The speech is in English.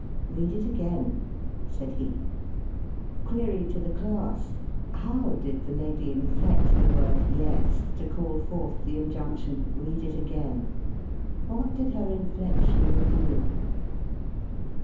"Read it again!" said he. Query to 58 STUDY IN INFLECTION the class: How did the lady inflect the word "Yes" to call forth the injunction, "Read it again" ? What did her inflection reveal?